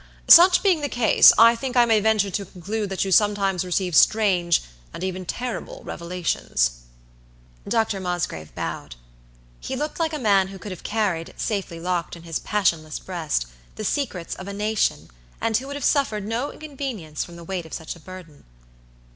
"Such being the case, I think I may venture to conclude that you sometimes receive strange, and even terrible, revelations." Dr. Mosgrave bowed. He looked like a man who could have carried, safely locked in his passionless breast, the secrets of a nation, and who would have suffered no inconvenience from the weight of such a burden.